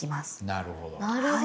なるほど。